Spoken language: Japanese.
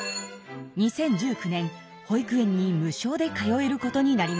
２０１９年保育園に無償で通えることになりました。